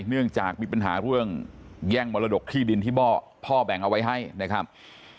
เนื่องจากมีปัญหาเรื่องแย่งมรดกที่ดินที่พ่อแบ่งเอาไว้ให้นะครับ